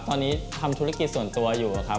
ตอนนี้ทำธุรกิจส่วนตัวอยู่ครับ